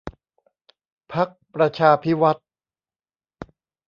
พรรคประชาภิวัฒน์